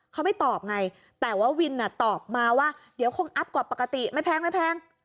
เขาไม่ตอบไงแต่ว่าวินตอบมาว่าเดี๋ยวคงอัพกว่าปกติไม่แพงไม่แพง